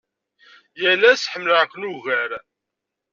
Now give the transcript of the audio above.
Yal ass ḥemmleɣ-ken ugar.